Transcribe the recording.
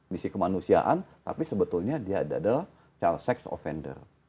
misi kemanusiaan tapi sebetulnya dia adalah child sex offender